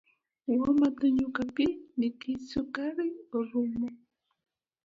Wamadho nyuka pii nikech sukari orumo